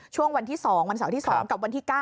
ช่วงวันที่๒วันเสาร์ที่๒กับวันที่๙